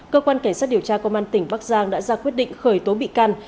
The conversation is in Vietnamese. cơ quan cảnh sát điều tra công an tỉnh bắc giang đã ra quyết định khởi tố bị can